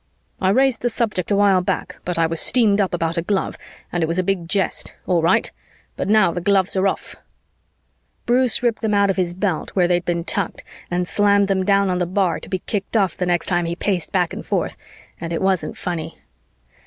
I raised the subject a while back, but I was steamed up about a glove, and it was a big jest. All right! But now the gloves are off!" Bruce ripped them out of his belt where they'd been tucked and slammed them down on the bar, to be kicked off the next time he paced back and forth, and it wasn't funny.